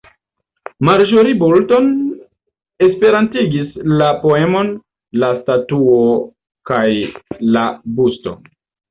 Marjorie Boulton esperantigis la poemon "La Statuo kaj la Busto".